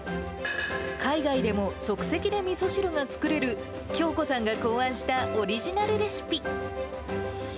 海外でも即席でみそ汁が作れる響子さんが考案したオリジナルレシピ。